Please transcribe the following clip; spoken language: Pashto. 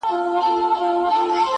o چي د ارواوو په نظر کي بند سي.